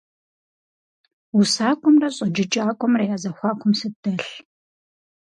УсакӀуэмрэ щӀэджыкӀакӀуэмрэ я зэхуакум сыт дэлъ?